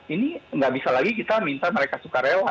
ini nggak bisa lagi kita minta mereka suka rela